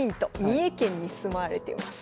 三重県に住まれてます。